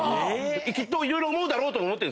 きっと色々思うだろうと思ってる。